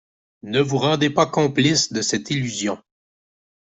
Ne vous rendez pas complice de cette illusion.